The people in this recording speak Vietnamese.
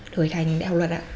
đổi thành đại học luật ạ